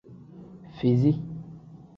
Fizi.